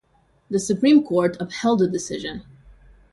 The Supreme Court upheld the decision.